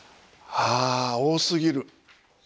あ多すぎる。